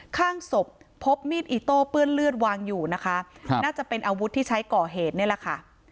ข้างศพพบมีดอิโต้เปื้อนเลือดวางอยู่นะคะครับน่าจะเป็นอาวุธที่ใช้ก่อเหตุนี่แหละค่ะ